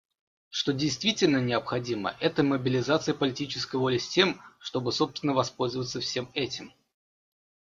Что действительно необходимо — это мобилизация политической воли с тем, чтобы, собственно, воспользоваться всем этим.